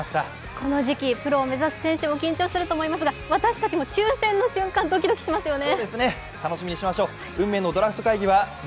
この時期、プロを目指す選手も緊張すると思いますが私たちも抽選の瞬間、ドキドキしますよね。